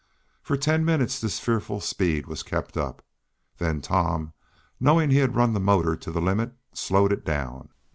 For ten minutes this fearful speed was kept up. Then Tom, knowing he had run the motor to the limit, slowed it down.